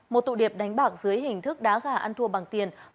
một tụ điểm đánh bạc dưới hình thức đá gà ăn thua bằng tiền